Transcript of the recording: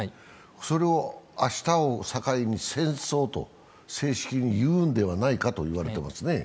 それを明日を境に「戦争」と正式に言うのではないかと言われてますね。